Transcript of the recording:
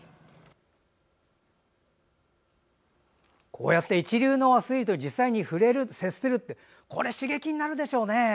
こうやって一流のアスリートに実際に触れる、接するってこれは刺激になるでしょうね。